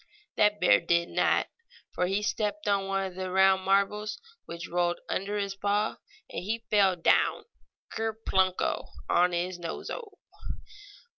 That bear did not, for he stepped on one of the round marbles, which rolled under his paw and he fell down ker punko! on his nose o!